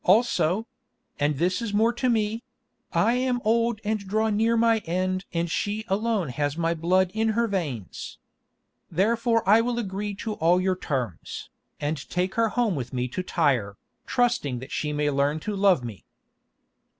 Also—and this is more to me—I am old and draw near my end and she alone has my blood in her veins. Therefore I will agree to all your terms, and take her home with me to Tyre, trusting that she may learn to love me."